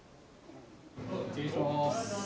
失礼します。